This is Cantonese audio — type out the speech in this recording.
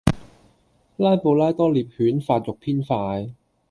拉布拉多獵犬發育偏快